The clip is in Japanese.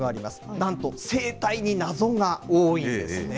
なんと生態に謎が多いんですね。